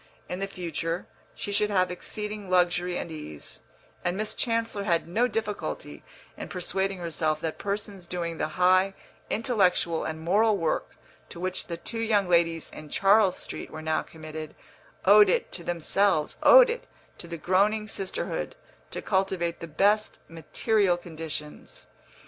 In the future she should have exceeding luxury and ease, and Miss Chancellor had no difficulty in persuading herself that persons doing the high intellectual and moral work to which the two young ladies in Charles Street were now committed owed it to themselves, owed it to the groaning sisterhood, to cultivate the best material conditions.